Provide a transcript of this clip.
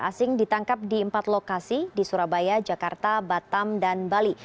asing ditangkap di empat lokasi di surabaya jakarta batam dan bali